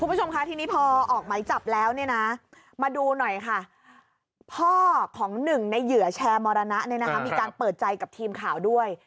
คุณผู้ชมค่ะทีนี้พอออกไหมจับแล้วเนี่ยนะมาดูหน่อยค่ะพ่อของหนึ่งในเหยื่อแชร์มรณะเนี่ยนะคะมีการเปิดใจกับทีมข่าวด้วย